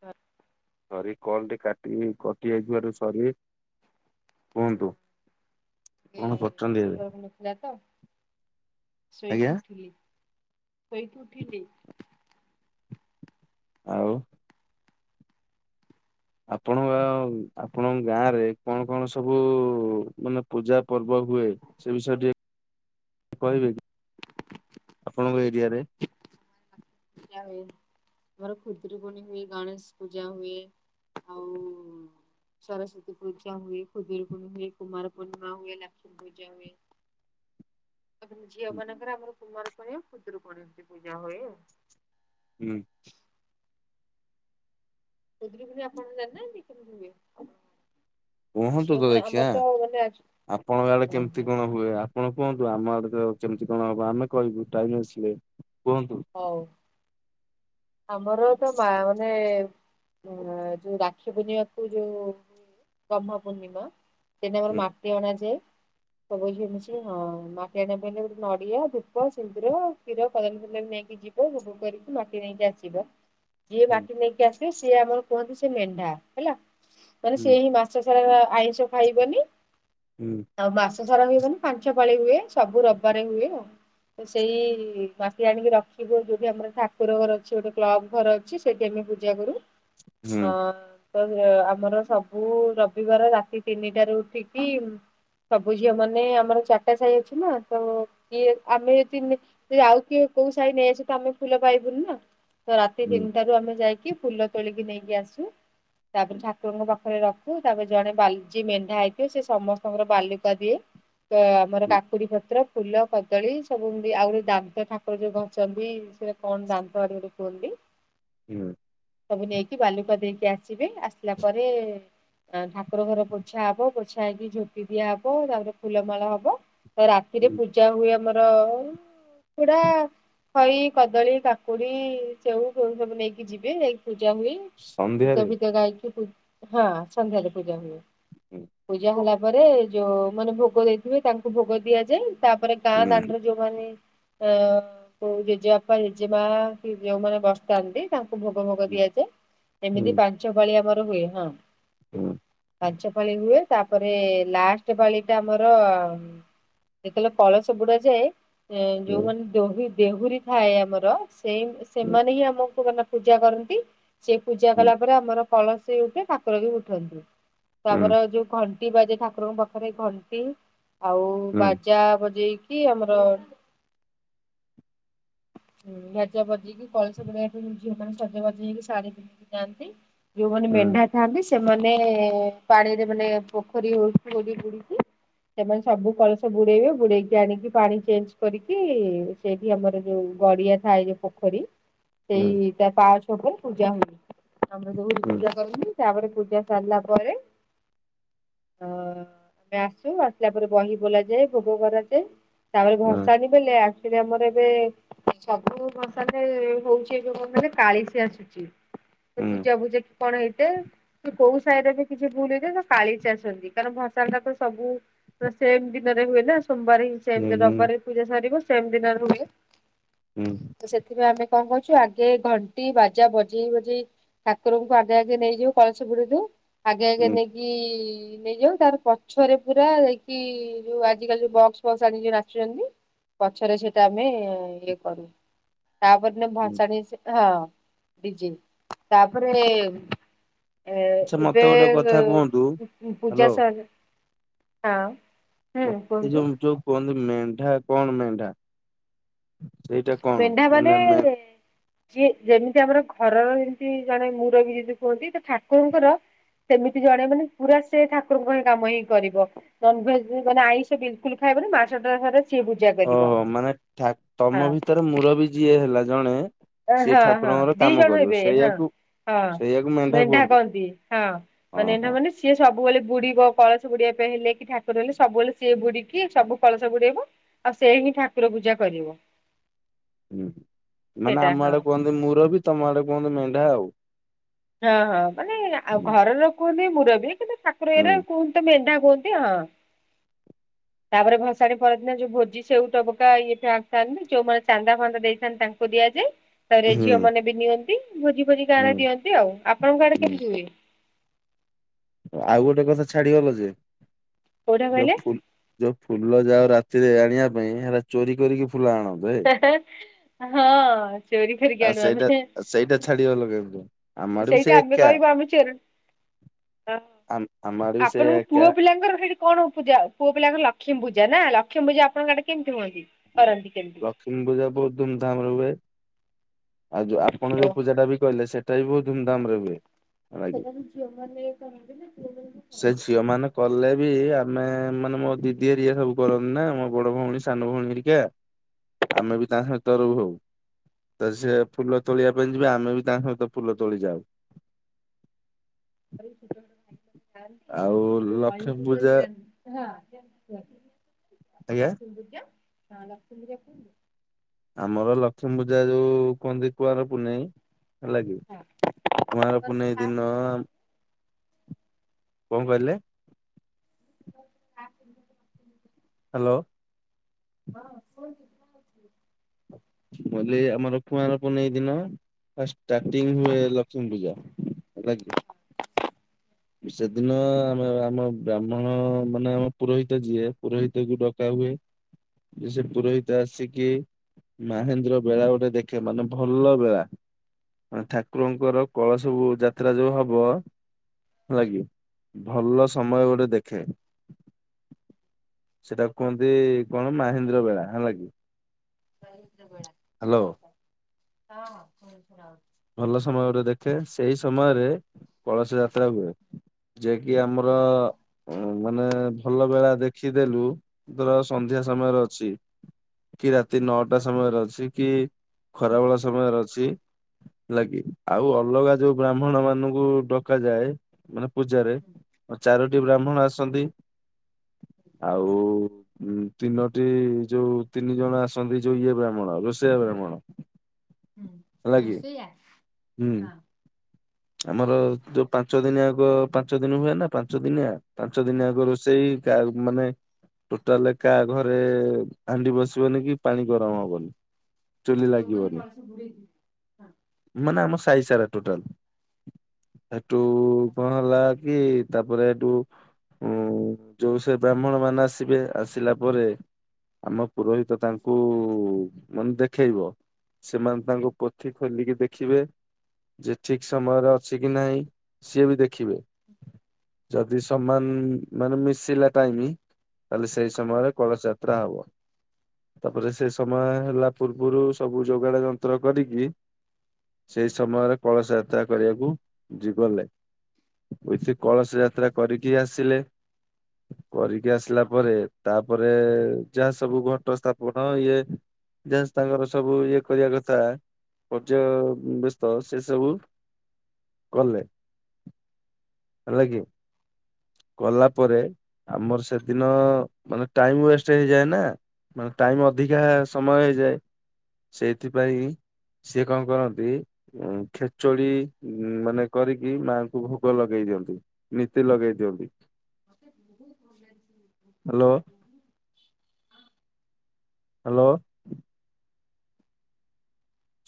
ହ sorry call ଟି କାଟି କଟି ଯାଇଥିବାରୁ ସରି। କୁହନ୍ତୁ ଟିକେ କଣ କରଚନ୍ତି ଏବେ? ନେଟୱାର୍କ ନଥିଲା ତ ଆଜ୍ଞା ଶୋଇକି ଉଠିଲି ଶୋଇକି ଉଠିିଲି। ଆଉ ଆପଣଙ୍କ ଆପଣଙ୍କ ଗାଁ ରେ କଣ କଣ ସବୁ ମାନେ ପୂଜା ପର୍ବ ହୁଏ? ସେ ବିଷୟରେ ଟିକେ କହିବେ କି? ଆପଣଙ୍କ ଏରିଆରେ। [unintelligible] ଆମର ଖୁଦୁରୁକୁଣୀ ହୁଏ ଗଣେଶ ପୂଜା ହୁଏ ଆଉ ସରସ୍ଵତୀ ପୂଜା ହୁଏ ଖୁଦୁରୁକୁଣୀ ହୁଏ କୁମାର ପୁର୍ଣିମା ହୁଏ ଲକ୍ଷ୍ମୀ ପୂଜା ହୁଏ। ଝିଅ ମାନଙ୍କରେ ଆମର କୁମାର ପୂର୍ଣ୍ଣିମା ଖୁଦୁରୁକୁଣୀ ଏମତି ପୂଜା ହୁଏ। ହୁଁ। ଖୁଦୁରୁକୁଣୀ ଆପଣ ଜାଣିନାହାନ୍ତି କେମତି ହୁଏ? କୁହନ୍ତୁ ଝିଅ ତ ମାନେ ଦେଖିଆ ଆମର ମାନେ ଆପଣଙ୍କ ଆଡେ ଓହୋ କେମିତି କଣ ହୁଏ କପଣ କୁହନ୍ତୁ ଆମ ଆଡ ତ କେମିତି କଣ ହବ ଆମେ କହିବୁ ଟାଇମ ଆସିଲେ କୁହନ୍ତୁ। ହଉ। ଆମର ତ ମା ମାନେ ଯୋଉ ରାକ୍ଷୀ ବୂଣ୍ଣିବାକୁ ଯୋଉ ଗହ୍ମା ପୂର୍ଣ୍ଣିମା ସେଟା ଆମର ହୁଁ ମାଟି ଅଣା ଯାଏ। ସବୁ ଝିଅ ମିସିକି ମାଟି ଆଣିବା ପାଇଁ [unintelligible] ନଡ଼ିଆ ଧୂପ ସିନ୍ଦୁର କ୍ଷୀର କଦଳି ଫାଦଳୀ ନେଇକି ଯିବ ଭୋଗ କରିକି ମାଟି ନେଇକି ଆସିବ। ଯିଏ ହୁଁ ମାଟି ନେଇକି ଆସିବେ ସିଏ ଆମର କୁହନ୍ତି ସେ ମେଣ୍ଢା ହେଲା। ମାନେ ହୁଁ ସିଏ ହିଁ ମାସ ସାରା ଆଇଁଷ ଖାଇବନି। ହୁଁ ଆଉ ମାସ ସାରା ହେଇବନି ପାଞ୍ଚ ପାଳି ହୁଏ ସବୁ ରବାରେ ହୁଏ ଆଉ। ତ ସେଇ ମାଟି ଆଣିକି ରଖିବ ଯୋଉଠି ଆମର ଠାକୁର ଘର ଅଛି ଗୋଟେ କ୍ଲବ ଘର ଅଛି ସେଇଠି ଆମେ ପୂଜା କରୁ ଅ ହୁଁ ତ ଆମର ସବୁ ରବିବାର ରାତି ତିନିଟା ରେ ଉଠିକି ସବୁ ଝିଅ ମାନେ ଆମର ଚାରଟା ସାହି ଅଛି ନା ତ କିଏ ଆମେ ଯଦି ଆଉ କିଏ କୋଉ ସାହି ନେଇଆସେ ତ ଆମେ ଫୁଲ ପାଇବୁନି ନା। ତ ରାତି ହୁଁ ତିନିଟାରୁ ଆମେ ଯାଇକି ଫୁଲ ତୋଳିକି ନେଇକି ଆସୁ। ତାପରେ ଠାକୁରଙ୍କ ପାଖରେ ରଖୁ ତାପରେ ଜଣେ ବାଲି ଯିଏ ମେଣ୍ଢା ହେଇଥିବ ସେ ସମସ୍ତଙ୍କର ବାଲୁକା ଦିଏ। ସେ ଆମର କାକୁଡି ପତ୍ର ଫୁଲ କଦଳୀ ସବୁ ଏମିତି ଆଉ ଗୋଟେ ଦାନ୍ତ ଠାକୁର ଯୋଉ ଘସନ୍ତି ସେ କଣ ଦାନ୍ତ [unintelligible] ଗୋଟେ ଥୁଅନ୍ତି। ହୁଁ। ସବୁ ନେଇକି ବାଲୁକା ଦେଇକି ଆସିବେ। ଆସିଲା ପରେ ଅ ଠାକୁର ଘର ପୋଛା ହବ ପୋଛା ହେଇକି ଝୋପି ଦିଆହବ ତାପରେ ଫୁଲମାଳ ହବ। ତ ରାତିରେ ହୁଁ। ପୂଜା ହୁଏ ଆମର। ଉଖୁଡା ଖଇ କଦଳୀ କାକୁଡି ସେଉ ଫେଉ ସବୁ ନେଇକି ଯିବେ ଯାଇକି ପୂଜା ହୁଏ। ଗୀତ ସନ୍ଧ୍ୟାରେ ଫୀତ ଗାଇକି ପୁ ହଁ ସନ୍ଧ୍ୟାରେ ପୂଜା ହୁଏ ହୁଁ ପୂଜା ହେଲା ପରେ ଯୋଉ ମାନେ ଭୋଗ ଦେଇଥିବେ ତାଙ୍କୁ ଭୋଗ ଦିଆଯାଏ। ତାପରେ ଗାଁ ହୁଁ ଦାଣ୍ଡରେ ଯୋଉମାନେ ଅ ଯୋଉ ଜେଜେ ବାପା ଜେଜେ ମା କି ଯୋଉମାନେ ବସ କନ୍ତି ତାଙ୍କୁ ଭୋଗ ଭୋଗ ଦିଆଯାଏ ହୁଁ ଏମିତି ପାଞ୍ଚ ପାଳି ଆମର ହୁଏ ହଁ। ହୁଁ ପାଞ୍ଚ ପାଳି ହୁଏ। ତାପରେ ଲାଷ୍ଟ ପାଳି ଟା ଆମର ଯେତେବେଳେ କଳସ ବୁଡା ଯାଏ ଯୋଉମାନେ ଦହି ଦେହୁରୀ ଥାଏ ଆମର ସେଇ ହୁଁ। ସେମାନେ ହିଁ ଆମକୁ ମନେ ପୂଜା କରନ୍ତି ସେ ପୂଜା କଲା ପରେ ଆମର କଳସୀ ଉଠେ ଠାକୁର ବି ଉଠନ୍ତି। ତ ଆମର ଯୋଉ ଘଣ୍ଟି ବାଜେ ଠାକୁରଙ୍କ ପାଖରେ ଘଣ୍ଟି ଆଉ ବାଜା ବଜେଇକି କି ଆମର ହୁଁ ବାଜା ବଜେଇ କି କଳସ [unintelligible] ଝିଅମାନେ ସଜ ବାଜ ହେଇକି ଶାଢୀ ପିନ୍ଧିକି ଯାଆନ୍ତି ଯୋଉମାନେ ମେଣ୍ଢା ଥାନ୍ତି ସେମାନେ ପାଣିରେ ମାନେ ପୋଖରୀ ହଉଛି ବୁଡ଼ି ବୁଡିକି ସେମାନେ ସବୁ କଳସ ବୁଡେଇବେ ବୁଡେଇକି ଆଣିକି ପାଣି ଚେଞ୍ଜ କରିକି ସେଇଠି ଆମର ଯୋଉ ଗଡିଆ ଥାଏ ଯୋଉ ପୋ କରି ସେଇ ତା ପାଚ ଉପରେ ପୂଜା ହୁଏ। ଆମର ଯୋଉଠି ପୂଜା କରନ୍ତି ତାପରେ ପୂଜା ସାରିଲା ପରେ ଅ ଆମେ ଆସୁ ଆସିଲା ପରେ ବହି ବୋଲାଯାଏ ଭୋଗ କରାଯାଏ। ତାପରେ ଆଚ୍ଛା ଭଷାଣି ବେଳେ ଆସିବେ ଆମର ଏବେ ସବୁ ଭ ମାନେ ହଉଛି ଏବେ କଣ କହିଲେ କାଳିଶୀ ଆସୁଛି ସେ ପୂଜା ଭୁଜା କି କଣ ହେଇଥାଏ। କି କୋଉ ସାହିରେ ବି କିଛି ଭୁଲିହେଇଯାଏ ତ କାଳିସୀ ଆସନ୍ତି କାରଣ ଭସାଣୀଟା ତ ସବୁ ସେମ ଦିନରେ ହୁଏ ନା ସୋମବାର ହିଁ ସେମ ଜାଗା ରବିବାର ପୂଜା ସାରିବ ସେମ ଦିନରେ ହୁଏ। ହୁଁ। ତ ସେଥିପାଇଁ ଆମେ କ କରୁଛୁ ଆଗେ ଘଣ୍ଟି ବାଜା ବଜେଇ ବଜେଇ ଠାକୁରଙ୍କୁ ଆଗେ ଆଗେ ନେଇଯିବୁ କଳସ ବୁଡେଇ ଦେବୁ ଆଗେ ଆଗେ ନେଇକି ନେଇଯାଉ ତାପର ପଛରେ ପୁରା ଯାଇକି ଯୋଉ ଆଜିକାଲି ଯୋଉ ବକ୍ସ ଫକ୍ସ ଆଣି କି ନାଚୁଛନ୍ତି ପଛରେ ସେଇଟା ଆମେ ଇଏ କରୁ। ତାପର ଦିନ ଭାସାଣି ସେ ହଁ ଡିଜେ ତାପରେ ଏ ଏବେ ମତେ ଗୋଟେ କଥା କୁହନ୍ତୁ ଏ ପୂଜା ହ୍ୟାଲୋ ସରେ ହଁ ହୁଁ ମତେ କୁହନ୍ତୁ? ଯୋଉ ଯୋଉ କୁହନ୍ତି ମେଣ୍ଢା କଣ ମେଣ୍ଢା ସେଇଟା କଣ ମାନେ ମେ? ସିଏ ଯେମିତି ଆମର ଘରର ଏମିତି ଜଣେ ମୁରବି ଯେମିତି କୁହନ୍ତି ତ ଠାକୁରଙ୍କର ସେମିତି ଜଣେ ମାନେ ପୁରା ସେ ଠାକୁରଙ୍କ ପାଇଁ କାମ ହିଁ କରିବ। ନନଭେଜ ଜମା ଆଇଁଷ ବିଲକୁଲ ଖାଇବନି ମାସଟା ଯାଙ୍କରେ ସିଏ ବୁଝ ଓହୋ ମାନେ ଠା ତମ ଭିତରେ ମୁରବି ଯିଏ ହେଲା ଜଣେ ଅ ସିଏ ହଁ ହଁ ଠାକୁରଙ୍କର ଦି କାମ ଜଣ କରିବ ହେବେ ହଁ। ସେଇଆକୁ ହଁ ସେଇଆକୁ ମେଣ୍ଢା କୁହନ୍ତି କହନ୍ତି ହଁ ହଁ ମାନେ ମେଣ୍ଢା ହଁ। ମାନେ ସିଏ ସବୁବେଳେ ବୁଡିବ କଳସ ବୁଡିବା ପାଇଁ ହେଲେ କି ଠାକୁର ହେଲେ ସବୁବେଳେ ସିଏ ବୁଡିକି ସବୁ କଳସ ବୁଡେଇବ। ଆଉ ସେ ହିଁ ଠାକୁର ପୂଜା କରିବ। ହୁଁ ମାନେ ସେଇଟା ଆମ ହଁ ଆଡେ କୁହନ୍ତି ମୁରବି ତମ ଆଡେ କୁହନ୍ତି ମେଣ୍ଢା ଆଉ। ହଁ ହଁ ମାନେ ଆଉ ହୁଁ ଘରର କୁହନ୍ତି ମୁରବି କିନ୍ତୁ ଠକୁର ଇଏରେ ହୁଁ କୁହନ୍ତି ତ ମେଢା କୁହନ୍ତି ଆ। ତାପରେ ଭସାଣି ପରଦିନା ଯୋଉ ଭୋଜି ସେଉ ଟ ବକା ଇଏଟା ଆଥାନ୍ତି ଯୋଉମାନେ ଚାନ୍ଦା ଫାନ୍ଦା ଦେଇଥାନ୍ତି ତା କୁ ଦିଆଯାଏ। ପରେ ଝିଅ ହୁଁ ମାନେ ବି ନିଅନ୍ତି ଭୋଜି ଫୋଜି ହୁଁ ଗାଁରେ ଦିଅନ୍ତି ଆଉ। ଆପଣଙ୍କ ଆଡେ ହୁଁ। କେମିତି ହୁଏ? ଆଉ ଗୋଟେ କଥା ଛାଡିଗଲ ଯେ କୋଉଟା ଯୋଉ କହିଲେ ଫୁଲ ଯୋଉ ଫୁଲ ଯାଓ ରାତିରେ ଆଣିବା ପାଇଁ ହେରା ଚୋରି କରିକି ଫୁଲ ଆଣ। ହେ ହେ ହଁ ଚୋରି କରିକି ଆଉ ଆଣୁ ସେଇଟା ଆମେ। ସେଇଟା ଛାଡିବା ଲଗେଇବାକୁ ପଡିବ। ସେଇଠେ ଆମେ କହିବୁ ଆମେ ଚୋରଣୀ। ହ ଆମ ଆମ ଆଡେ ବି ସେଇଆ ଆପଣଙ୍କ ଏକା। ପୁଅ ପିଲାଙ୍କର ସେଇଠି। କଣ ପୂଜା ପୁଅପିଲାଙ୍କର ଲକ୍ଷ୍ମୀପୂଜା ନା ଲଷ୍ମୀପୂଜା ଆପଣଙ୍କଆଡେ କେମତି ହୁଅନ୍ତି କରନ୍ତି କେମିତି? ହୁଁ ପୂଜା ବହୁତ ଧୁମଧାମ ରେ ହୁଏ। ଆଜ୍ଞା ଆପଣ ଯୋଉ ପୂଜାଟା ବି କହିଲେ ସେଟା ବି ବହୁତ ଧୁମଧାମ ରେ ହୁଏ ଲାଗିବ। ସେଟାକୁ ଝିଅମାନେ ବି କରନ୍ତିନା ଲକ୍ଷ୍ମୀ ପୂଜା। ଝିଅମାନେ କଲେ ବି ଆମେ ମାନେ ମୋ ଦିଦି ଘେରିକା ସବୁ କରନ୍ତି ନା ମୋ ବଡ ଭଉଣୀ। ସାନ ଭଉଣୀହେରିକା ଆମେ ବି ତାଙ୍କ ସହିତ ରୁହୁ। ତ ସେ ଫୁଲ ତୋଳିବା ପାଇଁ ଯିବେ ଆମେ ବି ତାଙ୍କ ସହିତ ଫୁଲ ତୋଳି ଯାଉ। ଆଉ [unintelligible] ଲକ୍ଷ୍ମୀ ପୂଜା [unintelligible] ଆଜ୍ଞା ଲଷ୍ମ ପୂଜା ହଁ ଲକ୍ଷ୍ମୀ ପୂଜା କୋଉଠି ହୁଏ? ଆମର ଲକ୍ଷ୍ମୀ ପୂଜା ଯୋଉ କୁହନ୍ତି କୁଆର ପୁନେଇଁ। ହେଲାକି ହଁ କୁଆଁର ମୋର ପା ପୁନେଇଁ ଲାଷ୍ଟ ଦିନ ଆ କଣ କହିଲେ? [inaudible] ହାଲୋ। ହଁ ଶୋଉଚି ଯାଉଛି। କହିଲି ଆମର କୁଆଁର ପୁନେଇଁ ଦିନ। ଫାଷ୍ଟ ଷ୍ଟାର୍ଟିଙ୍ଗ ହୁଏ ଲକ୍ଷ୍ମୀପୂଜା ହେଲାକି। ସେଦିନ ଆମେ ଆମ ବ୍ରାହ୍ମଣ ମାନେ ପୁରୋହିତ ଯିଏ ପୁରୋହିତକୁ ଡକା ହୁଏ। ଯେ ସେ ପୁରୋହିତ ଆସିକି। ମହେନ୍ଦ୍ରବେଳା ଗୋଟେ ଦେଖେ ମାନେ ଭଲ ବେଳା। ଅଁ ଠାକୁରଙ୍କର କଳସବୁ ଯାତ୍ରା ଯୋଉ ହବ। ହେଲାକି ଭଲ ସମୟ ଗୋଟେ ଦେଖେ। ସେଟାକୁ କୁହନ୍ତି କଣ ମାହେନ୍ଦ୍ରବେଳା ହେଲାକିି। ମାହେନ୍ଦ୍ରବେଳା ହ୍ୟାଲୋ ଆଚ୍ଛା ହଁ ହଁ ଶୁଣି ଶୁଣାହଉଛି। ଭଲ ସମୟରେ ଦେଖେ ସେଇ ସମୟରେ କଳସୀ ଯାତ୍ରା ହୁଏ। ଯେକିି ଆମର ମାନେ ଭଲବେଳା ଦେଖିଦେଲୁ। ଧର ସନ୍ଧ୍ୟା ହୁଁ ସମୟରେ ଅଛି କି ରାତି ହୁଁ ନଅଟା ସମୟରେ ଅଛି କି। ଖରାବେଳ ସମୟରେ ଅଛି। ଲାଗି ଆଉ ଅଲଗା ଯୋଉ ବ୍ରାହ୍ମଣମାନୁଙ୍କୁ ଡକାଯାଏ ମାନେ ପୂଜାରେ। ଚାରୋଟି ବ୍ରାହ୍ମଣ ଆସନ୍ତି ଆଉ। ଉଁ ତିନୋଟି ଯୋଉ ତିନିଜଣ ଆସନ୍ତି ଯୋଉ ଇଏ ବ୍ରାହ୍ମଣ ରୋଷେୟା ବ୍ରାହ୍ମଣ। ହୁଁ ହେଲା କିି ରୋଷେଇୟା? ହୁଁ ଆମର ଯୋଉ ପାଞ୍ଚ ଦିନିଯାକ ପାଞ୍ଚଦିନି ହୁଏ ନା ପାଞ୍ଚ ଦିନିଆ। ପାଞ୍ଚ ଦିନିଜାଙ୍କ ହଁ ହଁ ରୋଷେଇ କାହାକୁ ମାନେ। ଟୋଟାଲେ କା ଘରେ ହାଣ୍ଡି ବସିବନି କି ପାଣି ଗରମ ହବନି। ଚୁଲି ଯୋଉମାନେ ଲାଗିବନି କଳସ ବୁଡେଇଥିବେ ହଁ ମାନେ ଆମ ସାଇସାରା ଟୋଟାଲ। ହେଠୁ କଣ ହେଲାକି ତାପରେ ଏଠୁ। ଉଁ ଯୋଉ ସେ ବ୍ରାହ୍ମଣମାନେ ଆସିବେ ଆସିଲା ପରେ। ଆମ ପୁରୋହିତ ତାଙ୍କୁ। ମାନେ ଦେଖେଇବ ସେମାନେ ତାଙ୍କ ପୋଥି ଖୋଲିକି ଦେଖିବେ ଯେ ଠିକ୍। ସମୟରେ ଅଛି କି ନାହିଁ ସିଏ ବି ଦେଖିବେ ଯ ଯଦି ସମାନ ମାନେ ମିଶିଲା ଟାଇମ ତାହଲେ ସେଇ ହଁ ସମୟରେ କଳସ ଯାତ୍ରା ହବ। ତାପରେ ସେ ସମୟ ହେଲା ପୂର୍ବରୁ ସବୁ ଯୋଗାଡ ଯନ୍ତ୍ର କରିକି। ସେଇ ସମୟରେ କଳସ ଯା ତ୍ରା କରିବାକୁ ଯି ଗଲେ ଏଠି କଳସ ଯାତ୍ରା କରିକି ଆସିଲେ। କରିକି ଆସିଲା ପରେ। ତାପରେ ଯାହା ସବୁ ଘଟ ସ୍ଥାପନ ଇଏ। ଯାହା ତାଙ୍କର ସବୁ ଇଏ କରିବା କଥା ପର୍ଯ୍ୟୟ ବେସ୍ତ ସେ ସବୁ। କଲେ ହେଲା କିି। କଲା ପରେ ଆମର ସେଦିନ ମାନେ ଟାଇମ ୱେଷ୍ଟ ହେଇଯାଏ ନା। ମାନେ ଟାଇମ ଅଧିକା ସମୟ ହେଇଯାଏ। ସେଇଥିପାଇଁ ସିଏ କଣ କରନ୍ତି ଉଁ ଖେ ଚୁଡି ମାନେ କରିକି ମାଆଙ୍କୁ ଭୋଗ ଲଗେଇ ଦିଅନ୍ତି ନୀତି ଲଗେଇ ଦିଅନ୍ତି। ହାଲୋ। ହାଲୋ।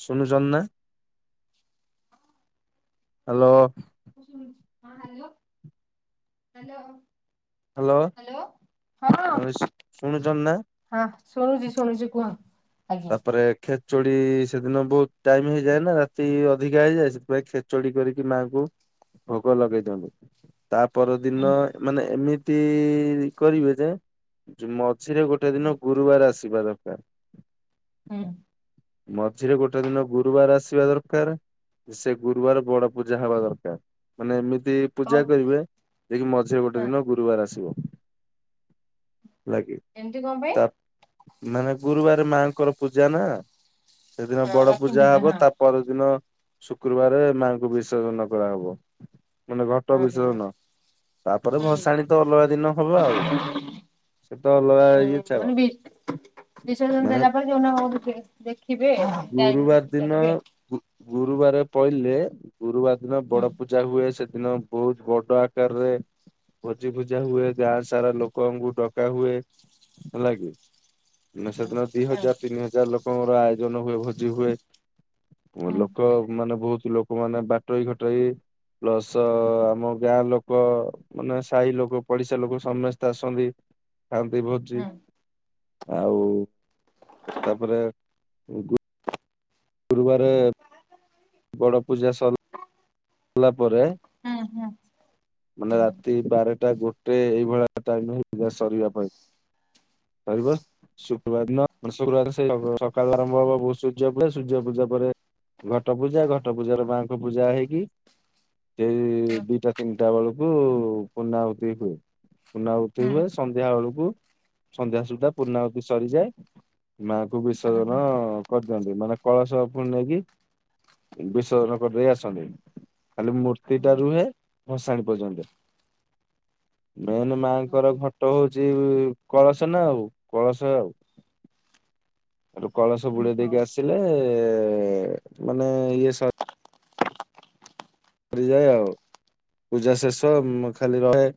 ସୁଣୁଚନ୍ତି ନା। ହାଲୋ। ହଁ ଶୁଣୁଚି ହଁ ହ୍ୟାଲୋ ହ୍ୟାଲୋ। ହ୍ୟାଲୋ ହାଲୋ ମାନେ ହଁ। ଶୁଣୁଛନ୍ତି ନା ହଁ ଶୁଣୁଛି ଶୁଣୁଛି କୁହ। ଆଜ୍ଞା ତାପରେ। ଖେଚୁଡି ସେଦିନ ବହୁତ ଟାଇମ ହେଇଯାଏ ନା ରାତି ଅଧିକା ହେଇଯାଏ ସେଥିପାଇଁ ଖେଚୁଡି କରିକି ମାଙ୍କୁ। ଭୋଗ ଲଗେଇ ଦିଅନ୍ତୁ ତା ପରଦିନ ହୁଁ ମାନେ ଏମିତି କରିବେ ଯେ। ଯୋଉ ମଝିରେ ଗୋଟେ ହୁଁ ଦିନ ଗୁରୁବାର ଆସିବା ଦରକାର। ହୁଁ। ମଝିରେ ଗୋଟେ ଦିନ ଗୁରୁବାର ଆସିବା ଦରକାର। ସେ ଗୁରୁବାର ବଡ ପୂଜା ହବା ଦରକାର ମାନେ ଏମିତି। କଣ ପୂଜା କରିବେ ଯେ କି ମଝିରେ ଗୋଟେ ହଁ ଦିନ ଗୁରୁବାର ଆସିବ। ହେଲାକି ଏମିତି କଣ ପାଇଁ ତା ମାନେ ଗୁରୁବାର ମାଙ୍କର ପୂଜା ନା। ସେଦିନ ହଁ ବଡ ଲକ୍ଷ୍ମୀ ପୂଜା ହବ ହଁ ତା ପରଦିନ ଶୁକ୍ରବାର ମାଙ୍କୁ ବିସର୍ଜନ କରାହବ। ମାନେ ଘଟ ହଁ ହଁ। ବିସର୍ଜନ ତାପରେ ହୁଁ। ଭସାଣି ତ ଅଲଗା ଦିନ ହବ ଆଉ। ସେ ତ ଲଗା ହୁଁ ଇଏ ମାନେ ଛାଡ। ବି ବିସର୍ଜନ ମାନେ ଦେଲା ପରେ ଯୋଉ ଦିନ ହବ ଦେଖିବେ‌ ଟାଇମ୍ ଗୁରୁବାର ଦେଖିକି ଦିନ କରିବେ। ଗୁ ଗୁରୁବାର ପଇଲେ ଗୁରୁବାର ଦିନ ହୁଁ ବଡ ପୂ ପୁଜା ହୁଏ ସେଦିନ ବହୁତ ବଡ ଆକାରରେ। ଭୋଜି ଭୂଜା ହୁଏ ଗାଁ ସାରା ଲୋକଙ୍କୁ ଡକା ହୁଏ ହେଲା କି। ମାନେ ହୁଁ ସେଦିନ ଦି ହଜାର ତିନି ହଜାର ଲୋକଙ୍କର ଆୟୋଜନ ହୁଏ ଭୋଜି ହୁଏ। ହୁଁ ଲୋକ ମାନେ ବହୁତ ଲୋକମାନେ ବାଟୋଇ ଘାଟୋଇ। ପ୍ଲସ ଆମ ଗାଁ ଲୋକ ମାନେ ସାହି ଲୋକ ପଡିଶା ଲୋକ ସମସ୍ତେ ଆସନ୍ତି। ଖାଆନ୍ତି ଭୋଜି ହୁଁ ଆଉ। ତାପରେ ଗୋ ଗୁରୁବାରେ। ବଡ ପୂଜା ସର ହରାଇଲା ପରେ ହୁଁ ହୁଁ ହୁଁ ହୁଁ ମାନେ ହୁଁ ରାତି ବାରଟା ଗୋଟ୍। ଟେ ଏଇଭଳିଆ ଟାଇମ ହେଇଥିବ ସରିବା ପାଇଁ। ସରିବ ଶୁକ୍ରବାର ନ ଶୁକ୍ରବାର ସେ ସକାଳୁ ଆରମ୍ଭ ହବ [unintelligible] ସୂର୍ଯ୍ୟ ପୂଜା। ସୂର୍ଯ୍ୟ ପୂଜା ପରେ ଘଟ ପୂଜା ଘଟ ପୂଜାରେ ମାଙ୍କ ପୂଜା ହେଇକି ସେଇ ଦିଟା ତିନିଟା ବେଳକୁ ପୂର୍ଣ୍ଣାହୁତି ହୁଏ। ପୂର୍ଣ୍ଣଆହୁତି ହୁଁ ହୁଏ। ସନ୍ଧ୍ୟା ବେଳକୁ ସନ୍ଧ୍ୟା ସୁଦ୍ଧା ପୂର୍ଣ୍ଣଆହୁତି ସରିଯାଏ। ମା କୁ ବିସଜନ ହୁଁ। କରିଦିଅନ୍ତି ମାନେ କଳସ ପୁଣି ନେଇକି ବିସର୍ଜନ କରିଦେଇ ଆସନ୍ତି। ଖାଲି ମୂର୍ତ୍ତି ହୁଁ ହୁଁ ଟା ରୁହେ ଭଷାଣୀ ପର୍ଯ୍ୟନ୍ତ। ମେନ୍ ମାଙ୍କର ହୁଁ। ଘଟ ହଉଛି କଳସ ନା ଆଉ କଳସ ଆଉ। ସେଠୁ କଳସ ହୁଁ ବୁଡେଇ ହଉ। ଦେଇକି ଆସିଲେ ଏ, ମାନେ ଇଏ ସ ସରିଯାଏ ଆଉ, ପୂଜା ଶେଷ ଉଁ, ଖାଲି ରହେ